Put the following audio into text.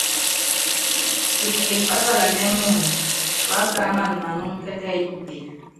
Kisikili pásalanɛ́ muundɔ, wákámana manúŋɔ kɛ́kɛ́yí kutek.